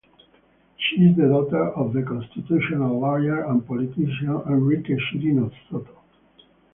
She is the daughter of the constitutional lawyer and politician Enrique Chirinos Soto.